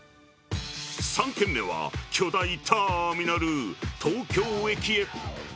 ３軒目は、巨大ターミナル、東京駅へ。